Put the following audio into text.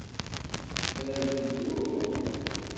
Ad bduɣ?